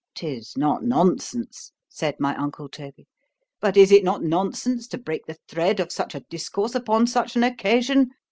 ——'Tis not nonsense—said my uncle Toby.——But is it not nonsense to break the thread of such a discourse upon such an occasion?